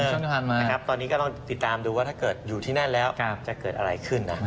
ตอนนี้ก็ต้องติดตามดูว่าถ้าเกิดอยู่ที่นั่นแล้วจะเกิดอะไรขึ้น